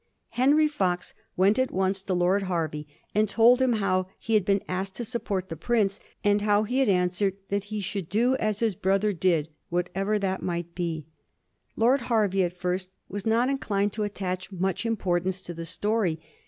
Henry Fox went at once to Lord Hervey and told him how he had been asked to support the prince, and how he had answered that he should do as his brother did, what ever that might be. Lord Hervey at first was not inclined to attach much importance to the story.